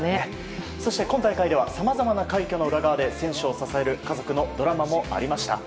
そして今大会ではさまざまな快挙の裏側で選手を支える家族のドラマもありました。